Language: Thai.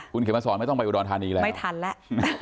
คุณเขมสอนไม่ต้องไปอุดรธานีแล้วไม่ทันแล้ว